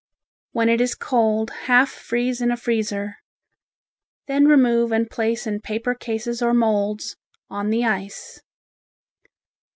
When it is cold half freeze in a freezer. Then remove and place in paper cases or moulds, on the ice.